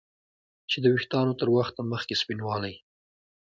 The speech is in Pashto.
چې د ویښتانو تر وخته مخکې سپینوالی